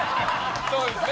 そうですね。